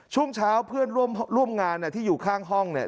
ช่วงเช้าเพื่อนร่วมงานที่อยู่ข้างห้องเนี่ย